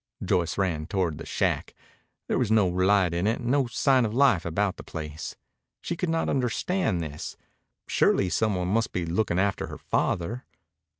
Joyce ran toward the shack. There was no light in it, no sign of life about the place. She could not understand this. Surely someone must be looking after her father.